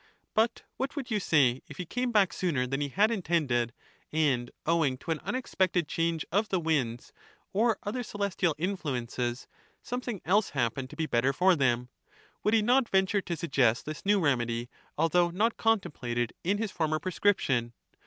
But what would you say, if he came back sooner than he had intended, and, owing to an unexpected change of the winds or other celestial influences, something else happened to be better for them, — would he not venture to suggest this new remedy, although not contemplated in his former pre scription